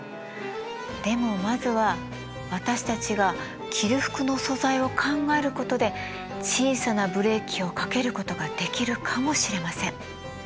でもまずは私たちが着る服の素材を考えることで小さなブレーキをかけることができるかもしれません。